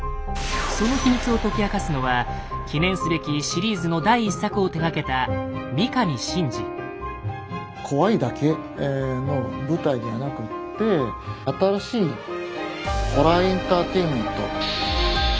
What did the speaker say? その秘密を解き明かすのは記念すべきシリーズの第１作を手がけた怖いだけの舞台ではなくって新しいホラーエンターテインメント。